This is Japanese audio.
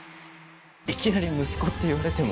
いきなり息子って言われても。